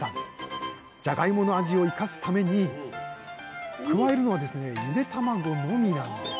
じゃがいもの味を生かすために加えるのはですねゆで卵のみなんです！